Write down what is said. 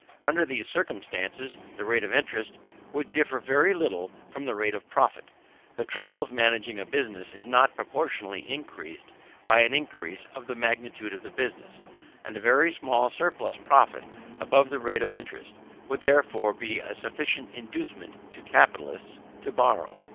Under these circumstances the rate of interest would differ very little from the rate of profit. The trouble of managing a business is not proportionally increased by an increase of the magnitude of the business; and a very small surplus profit above the rate of interest, would therefore be a sufficient inducement to capitalists to borrow.